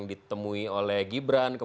ditemui oleh gibran